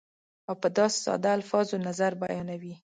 او په داسې ساده الفاظو نظر بیانوي